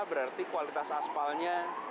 berarti kualitas aspalnya